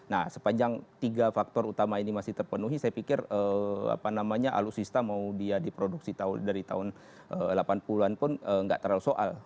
nah sepanjang tiga faktor utama ini masih terpenuhi saya pikir apa namanya alutsista mau dia diproduksi dari tahun delapan puluh an pun nggak terlalu soal